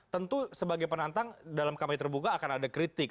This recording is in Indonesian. tentu sebagai penantang dalam kampanye terbuka akan ada kritik